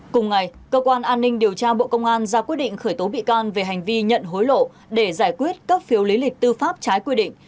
cùng ngày cơ quan an ninh điều tra bộ công an ra quyết định khởi tố bị can về hành vi nhận hối lộ để giải quyết cấp phiếu lý lịch tư pháp trái quy định